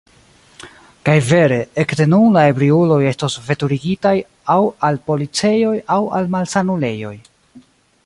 Kaj vere: ekde nun la ebriuloj estos veturigitaj aŭ al policejoj aŭ al malsanulejoj.